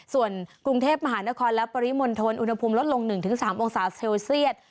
ส่วนกรุงเทพมหานครและปริมณฑลอุณหภูมิลดลง๑๓องศาเซลเซียต